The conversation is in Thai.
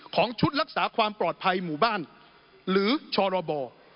ของชุดรักษาความปลอดภัยหมู่บ้านหรือชรบ